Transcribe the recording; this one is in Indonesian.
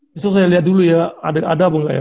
bisa saya liat dulu ya ada apa enggak ya